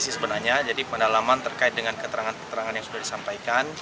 jadi sebenarnya jadi pendalaman terkait dengan keterangan keterangan yang sudah disampaikan